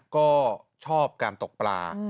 ก็ชอบการตกปลา